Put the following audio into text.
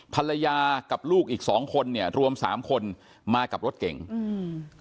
ภรรยากับลูกอีกสองคนเนี่ยรวมสามคนมากับรถเก่งอืม